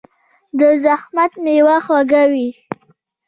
د زحمت میوه خوږه وي.